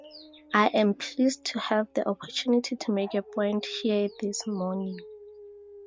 I am pleased to have the opportunity to make a point here this morning.